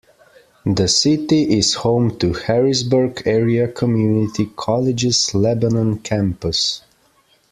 The city is home to Harrisburg Area Community College's Lebanon Campus.